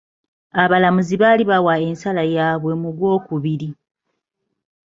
Abalamuzi baali bawa ensala yaabwe mu Gwokubiri.